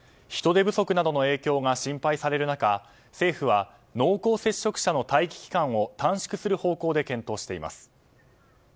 人手不足などの影響が心配される中政府は、濃厚接触者の待機期間を短縮する方向で検討しています。